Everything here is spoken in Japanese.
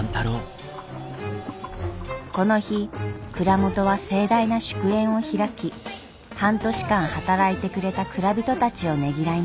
この日蔵元は盛大な祝宴を開き半年間働いてくれた蔵人たちをねぎらいます。